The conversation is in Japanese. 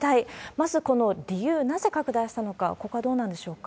まず、この理由、なぜ拡大したのか、ここはどうなんでしょうか？